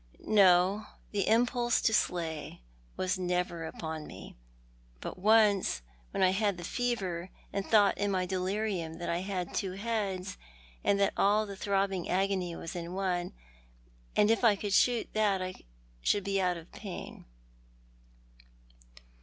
No; the impulse to slay was never upon me— but once — when I had the fever, and thought in my delirium that I had two heads, and that all the throbbing agony was in one, and if I could shoot that I should be out of pain.